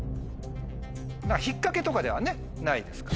引っ掛けとかではないですから。